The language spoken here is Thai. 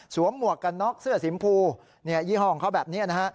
หมวกกันน็อกเสื้อสีมพูยี่ห้อของเขาแบบนี้นะฮะ